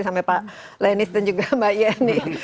sampai pak lenis dan juga mbak yeni